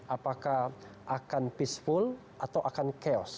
apakah akan peaceful atau akan chaos